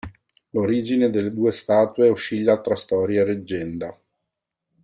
L'origine delle due statue oscilla tra storia e leggenda.